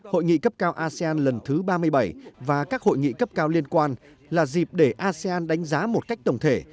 hội nghị cấp cao asean lần thứ ba mươi bảy và các hội nghị cấp cao liên quan là dịp để asean đánh giá một cách tổng thể